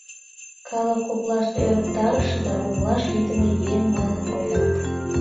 Калык коклаште ӧрыктарыше да умылаш лийдыме еҥ манын ойлат.